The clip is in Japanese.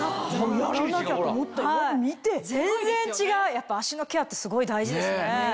やっぱ脚のケアってすごい大事ですね。